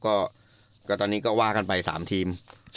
ก็ตอนนี้ก็ว่ากันไป๓ทีม